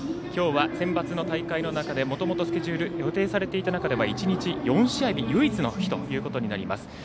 きょうはセンバツの大会の中でもともとスケジュール予定されていた中では唯一の４試合日ということになります。